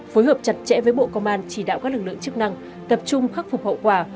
phối hợp chặt chẽ với bộ công an chỉ đạo các lực lượng chức năng tập trung khắc phục hậu quả